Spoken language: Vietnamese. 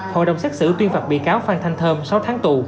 hội đồng xét xử tuyên phạt bị cáo phan thanh thơm sáu tháng tù